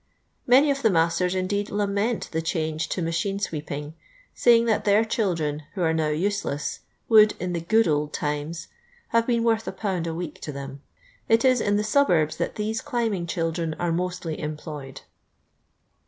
Many of the masters, indeed, lament the change to machine sweeping, saying that their children, who are now useless, would, in " the good old tiuies," have been worth a pound a week to them. It is in the suburbs that these climbing children are mostly employed.